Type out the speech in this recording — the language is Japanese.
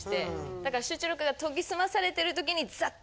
だから集中力が研ぎ澄まされてる時にザッ！